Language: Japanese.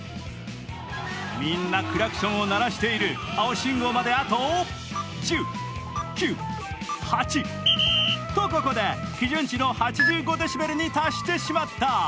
みんなクラクションを鳴らしている青信号まであと、１０９８とここで基準値の８５デシベルに達してしまった。